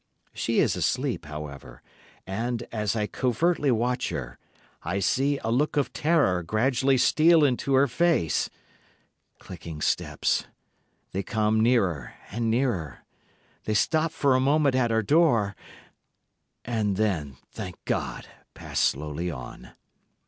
She is asleep, however, and, as I covertly watch her, I see a look of terror gradually steal into her face. Clicking steps. They come nearer and nearer. They stop for a moment at our door, and then—thank God—pass slowly on.